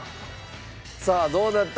さあどうなったのか？